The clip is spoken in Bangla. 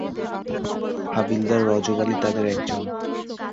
হাবিলদার রজব আলী তাদের একজন।